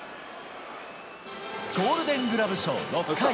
ゴールデングラブ賞６回。